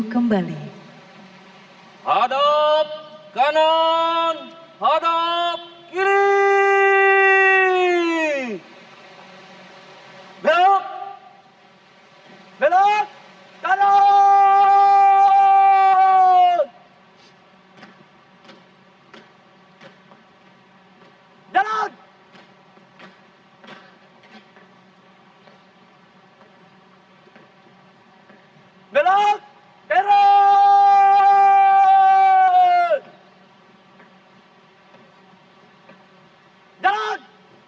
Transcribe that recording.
kembali ke tempat